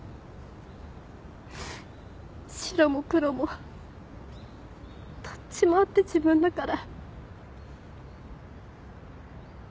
白も黒もどっちもあって自分だから。